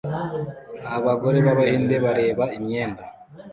Abagore b'Abahinde bareba imyenda